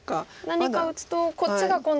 何か打つとこっちが今度。